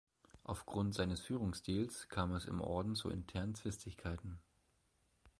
Aufgrund seines Führungsstils kam es im Orden zu internen Zwistigkeiten.